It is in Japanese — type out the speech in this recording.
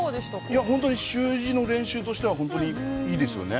◆いや、本当に習字の練習としては、本当にいいですよね。